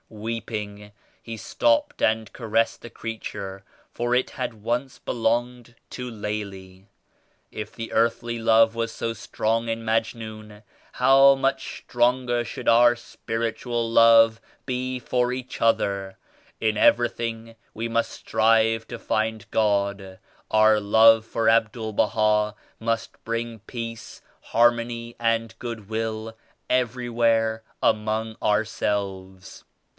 Weeping he stopped and caressed the creature for it had once belonged to Laila. If the earthly love was so strong in Majnun, how much stronger should our spiritual love be for each other I In everything we must strive to find God. Our love for Abdul Baha must bring peace, harmony and goodwill every where among ourselves.